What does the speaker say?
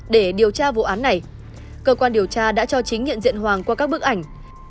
để điều tra vụ án này cơ quan điều tra đã cho chính nhận diện hoàng qua các bức ảnh